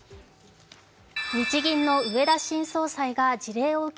日銀の植田新総裁が事例を受け